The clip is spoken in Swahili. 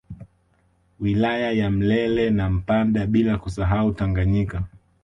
Wilaya ya Mlele na Mpanda bila kusahau Tanganyika